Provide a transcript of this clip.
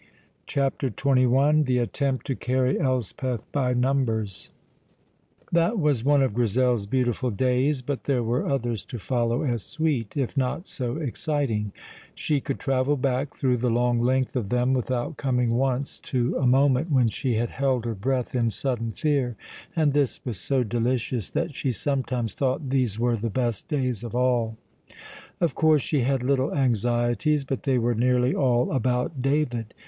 CHAPTER XXI THE ATTEMPT TO CARRY ELSPETH BY NUMBERS That was one of Grizel's beautiful days, but there were others to follow as sweet, if not so exciting; she could travel back through the long length of them without coming once to a moment when she had held her breath in sudden fear; and this was so delicious that she sometimes thought these were the best days of all. Of course she had little anxieties, but they were nearly all about David.